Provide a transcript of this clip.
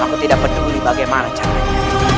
aku tidak peduli bagaimana caranya